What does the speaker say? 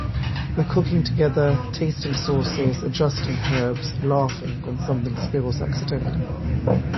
We're cooking together, tasting sauces, adjusting herbs, laughing when something spills accidentally.